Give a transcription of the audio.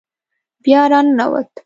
بیا را ننوت.